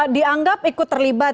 dianggap ikut terlibat